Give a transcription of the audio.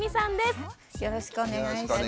よろしくお願いします。